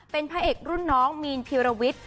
เป็นพระเอกรุ่นน้องมีนพีรวิทย์